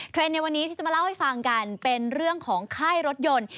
ในวันนี้ที่จะมาเล่าให้ฟังกันเป็นเรื่องของค่ายรถยนต์